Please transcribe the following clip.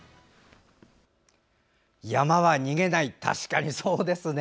山は逃げない確かにそうですね。